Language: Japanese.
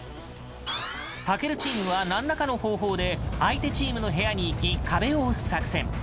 健チームはなんらかの方法で相手チームの部屋に行き壁を押す作戦。